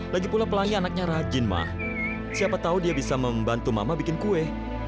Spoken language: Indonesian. lagi pula pelangi anaknya rajin mah siapa tahu dia bisa membantu mama bikin kue